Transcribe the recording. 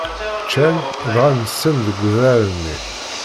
Ččan, dɣa nsan deg udrar-nni.